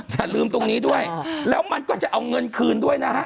อย่าลืมตรงนี้ด้วยแล้วมันก็จะเอาเงินคืนด้วยนะฮะ